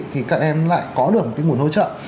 thì các em lại có được một cái nguồn hỗ trợ